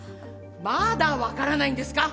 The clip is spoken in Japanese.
まだ分からないんですか！